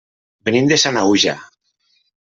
Venim de Sanaüja.